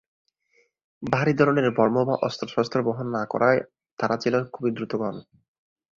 ভারী ধরনের বর্ম বা অস্ত্রশস্ত্র বহন না করায় তারা ছিল খুবই দ্রুতগামী।